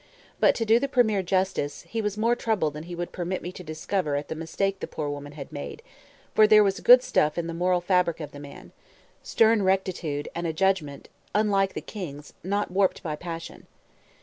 But, to do the premier justice, he was more troubled than he would permit me to discover at the mistake the poor woman had made; for there was good stuff in the moral fabric of the man, stern rectitude, and a judgment, unlike the king's, not warped by passion.